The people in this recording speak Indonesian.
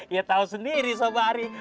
dia tau sendiri sobari